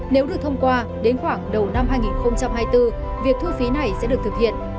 nếu được thông qua đến khoảng đầu năm hai nghìn hai mươi bốn việc thu phí này sẽ được thực hiện